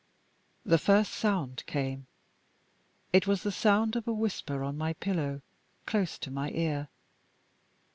The first sound came. It was the sound of a whisper on my pillow, close to my ear.